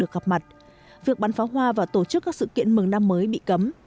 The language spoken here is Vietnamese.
trả mặt việc bắn phá hoa và tổ chức các sự kiện mừng năm mới bị cấm